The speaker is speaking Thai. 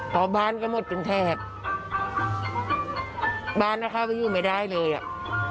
เพราะบ้านก็หมดเป็นแถบบ้านก็เข้าไปอยู่ไม่ได้เลยอ่ะ